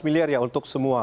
satu miliar ya untuk semua